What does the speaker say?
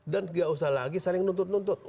dan tidak usah lagi saling nuntut nuntut